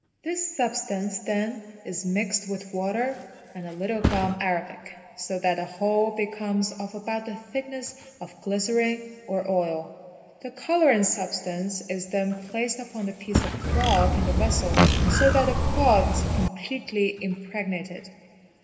This substance then is ~ mixed with water and a little gum: arabic, so that the whole becomes of about the thickness of glycerine or oil. The colouring substance is then placed upon the piece of cloth in the vessel so that the cloth is completely impregnated.